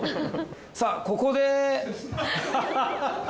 さあここで。